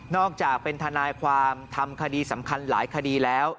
อกจากเป็นทนายความทำคดีสำคัญหลายคดีแล้ว